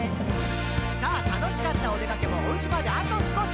「さぁ楽しかったおでかけもお家まであと少し」